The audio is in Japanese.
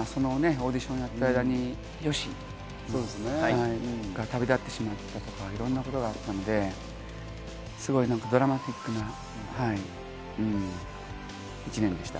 波乱万丈でオーディションをやっている間にＹＯＳＨＩが旅立ってしまったとか、いろんなことがあったのでドラマティックな１年でした。